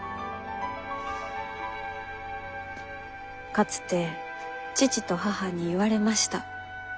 かつて父と母に言われました。